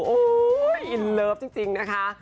อุ้ยอินเลิฟจริงนะคะ